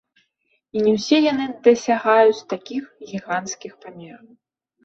І не ўсе яны дасягаюць такіх гіганцкіх памераў.